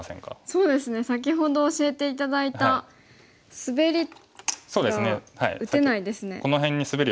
そうですね先ほど教えて頂いたスベリが打てないですね。